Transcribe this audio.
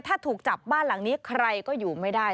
ถ้าถูกจับบ้านหลังนี้ใครก็อยู่ไม่ได้